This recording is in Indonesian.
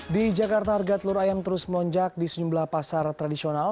di jakarta harga telur ayam terus melonjak di sejumlah pasar tradisional